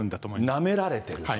なめられてると。